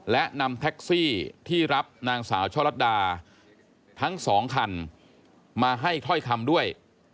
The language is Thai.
และนำแท็กซี่ที่รับนางสาวช่อลัดดาทั้งสองคันมาให้ถ้อยคำด้วย